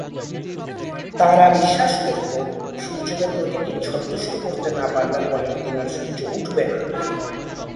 তাঁরা বিশ্বাস করতো সূর্যকে প্রতিদিন সন্তুষ্ট করতে না পারলে পরের দিন আর সূর্য উঠবে না।